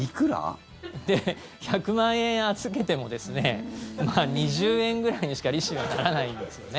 １００万円預けても２０円ぐらいにしか利子はならないんですよね。